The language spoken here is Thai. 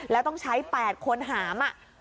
แล้วต้องใช้๘คนหาม